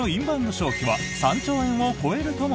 消費は３兆円を超えるとも